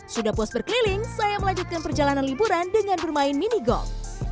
sudah puas berkeliling saya melanjutkan perjalanan liburan dengan bermain mini golf